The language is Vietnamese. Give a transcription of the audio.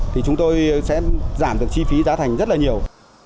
thì chúng tôi sẽ giảm được chi phí giá thành rất là nhiều